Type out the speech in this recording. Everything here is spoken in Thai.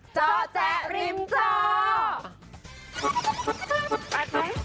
เจ้าแจ๊ะริมเจ้า